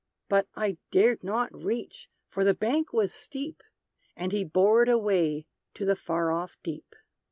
_" But I dared not reach, for the bank was steep; And he bore it away, to the far off deep!